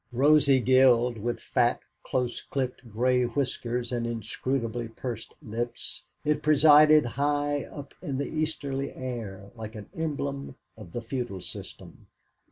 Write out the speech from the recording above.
Rosy gilled, with fat close clipped grey whiskers and inscrutably pursed lips, it presided high up in the easterly air like an emblem of the feudal system.